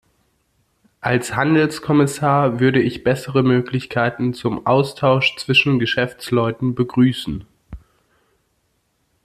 Als Handelskommissar würde ich bessere Möglichkeiten zum Austausch zwischen Geschäftsleuten begrüßen.